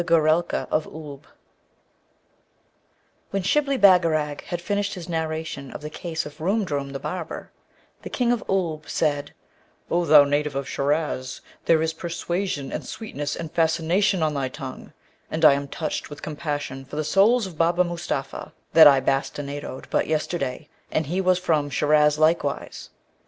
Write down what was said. GOORELKA OF OOLB When Shibli Bagarag had finished his narration of the case of Roomdroom the barber, the King of Oolb said, 'O thou, native of Shiraz, there is persuasion and sweetness and fascination on thy tongue, and I am touched with compassion for the soles of Baba Mustapha, that I bastinadoed but yesterday, and he was from Shiraz likewise.'